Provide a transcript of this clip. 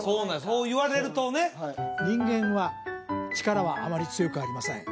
そう言われるとねはい人間は力はあまり強くありません